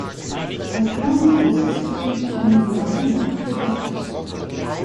Das Langhaus ist mit einem Walmdach bedeckt.